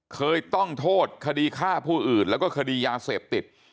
เคยต้องโทษคดีฆ่าผู้อื่นแล้วก็คดียาเสพติด